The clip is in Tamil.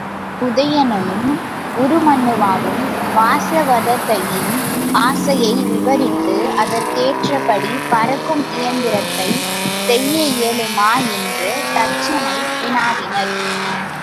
உதயணனும் உருமண்ணுவாவும் வாசவதத்தையின் ஆசையை விவரித்து, அதற்கேற்றபடி பறக்கும் இயந்திரத்தைச் செய்ய இயலுமா? என்று தச்சனை வினாவினர்.